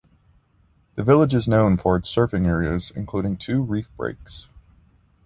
The village is known for its surfing areas, including two reef breaks.